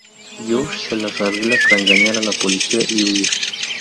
Josh se las arregla para engañar a la policía y huir.